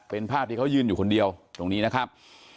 เป็นภาพที่เขายืนอยู่คนเดียวตรงนี้นะครับ